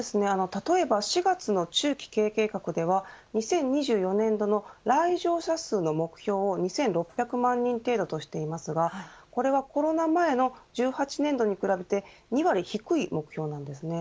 例えば４月の中期経営計画では２０２４年度の来場者数の目標を２６００万人程度としていますがこれはコロナ前の１８年度に比べて２割低い目標なんです。